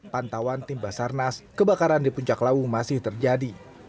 pantauan timbasarnas kebakaran di puncak lawu masih terjadi